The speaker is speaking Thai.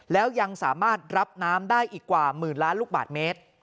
แล้วยังสามารถรับน้ำได้อีกกว่าหมื่นล้านลูกบาทเมตร